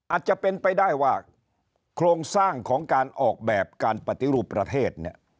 อาจจะเป็นไปได้ว่าโครงสร้างของการออกแบบการปฏิรูปประเทศเนี่ย